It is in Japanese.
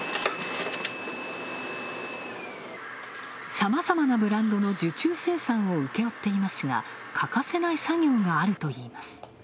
さまざまなブランドの受注生産を請け負っていますが、欠かせない作業があるといいます。